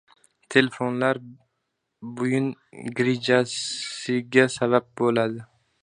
Telefonlar buyin grijasiga sabab buladi